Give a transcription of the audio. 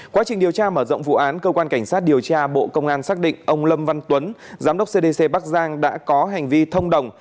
quá trình điều tra mở rộng vụ án cơ quan cảnh sát điều tra bộ công an xác định ông lâm văn tuấn giám đốc cdc bắc giang đã có hành vi thông đồng